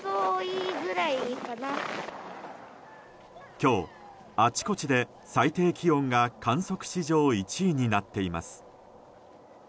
今日、あちこちで最低気温が観測史上１位になっています。